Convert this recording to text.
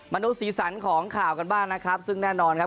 มาดูสีสันของข่าวกันบ้างนะครับซึ่งแน่นอนครับ